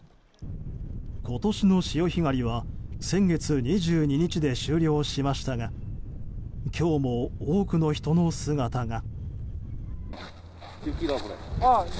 今年の潮干狩りは先月２２日で終了しましたが今日も多くの人の姿が。